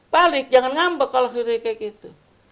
balik jangan ngambek kalau hal hal kayak gitu